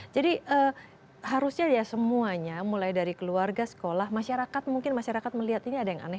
jadi harusnya ya semuanya mulai dari keluarga sekolah masyarakat mungkin masyarakat melihat ini ada yang aneh